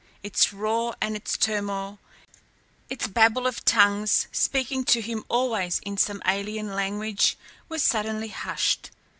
Its roar and its turmoil, its babel of tongues speaking to him always in some alien language, were suddenly hushed!